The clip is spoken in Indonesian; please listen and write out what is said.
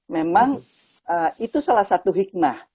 memang itu salah satu hikmah